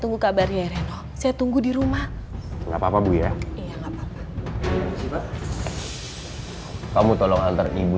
tunggu kabarnya reno saya tunggu di rumah enggak papa bu ya iya kamu tolong hantar ibu